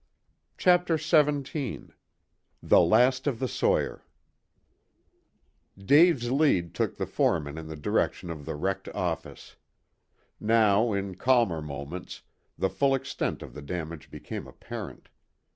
CHAPTER XVII THE LAST OF THE SAWYER Dave's lead took the foreman in the direction of the wrecked office. Now, in calmer moments, the full extent of the damage became apparent.